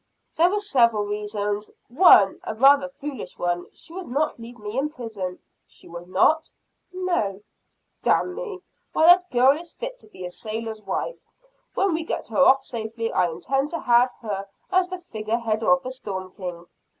"There were several reasons one, a rather foolish one, she would not leave me in prison." "She would not?" "No." "D me! Why that girl is fit to be a sailor's wife! When we get her off safely I intend to have her as the figure head of the Storm King."